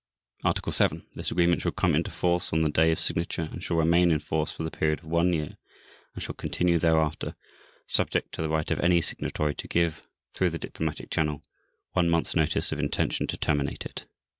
Article 7. This Agreement shall come into force on the day of signature and shall remain in force for the period of one year and shall continue thereafter, subject to the right of any Signatory to give, through the diplomatic channel, one month's notice of intention to terminate it.